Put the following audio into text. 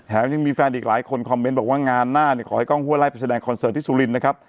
ยังมีแฟนอีกหลายคนคอมเมนต์บอกว่างานหน้าเนี่ยขอให้กล้องห้วยไล่ไปแสดงคอนเสิร์ตที่สุรินทร์นะครับ